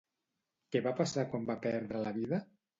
Què va passar quan va perdre la vida?